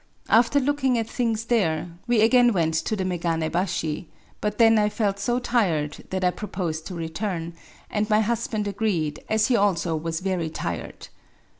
After looking at things there, we again went to the Megane^bashi ; but then I felt so tired that I proposed to return, and my husband agreed, as he also was very tired.